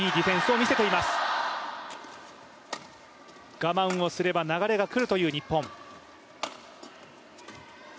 我慢をすれば流れが来るという日本。